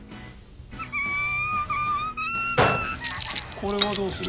これはどうする？